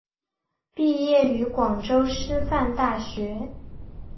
毕业于广州师范大学。